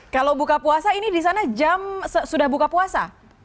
kalau buka puasa ini disana jam sudah buka puasa